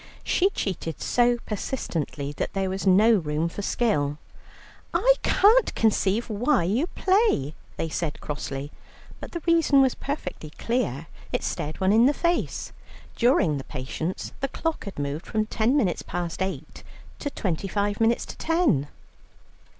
She cheated so persistently that there was no room for skill. "I can't conceive why you play," they said crossly. But the reason was perfectly clear. It stared one in the face. During the patience the clock had moved from ten minutes past eight to twenty five minutes to ten.